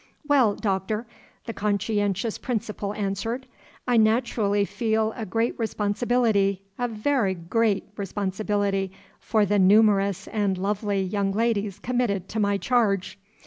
"Well, Doctor," the conscientious Principal answered, "I naterally feel a graat responsibility, a very graaat responsibility, for the noomerous and lovely young ladies committed to my charge.